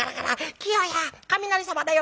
『清や雷様だよ。